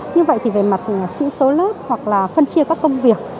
như vậy thì về mặt sĩ số lớp hoặc là phân chia các công việc